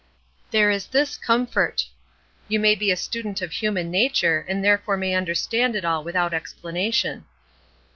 There is this comfort: you may be a student of human nature, and therefore may understand it all without explanation.